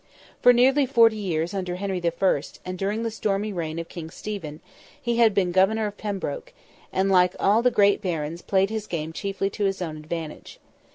For nearly forty years under Henry I. and during the stormy reign of King Stephen, he had been Governor of Pembroke, and like all the great Barons played his game chiefly to his own advantage.